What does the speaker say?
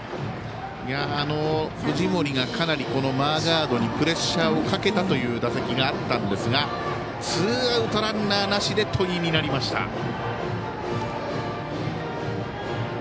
藤森がかなりマーガードにプレッシャーをかけたという打席があったんですがツーアウトランナーなしで戸井になりました。